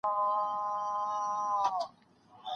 د ښووني او زده کړو لپاره دي هم وخت وټاکي.